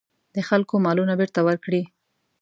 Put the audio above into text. د خلکو مالونه بېرته ورکړي.